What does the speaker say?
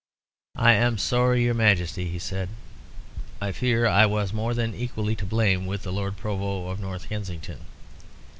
"I am sorry, your Majesty," he said; "I fear I was more than equally to blame with the Lord Provost of North Kensington.